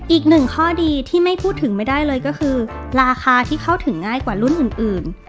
อีกหนึ่งข้อดีที่ไม่พูดถึงไม่ได้เลยก็คือราคาที่เข้าถึงง่ายกว่ารุ่นอื่น